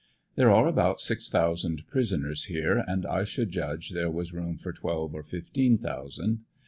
There are about six thousand prisoners here, and I should judge there was room for twelve or fifteen thousand.